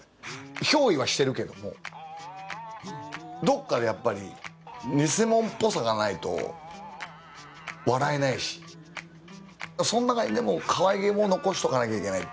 ひょう依はしてるけどもどっかでやっぱり偽者っぽさがないと笑えないしそん中にでもかわいげも残しとかなきゃいけないっていう。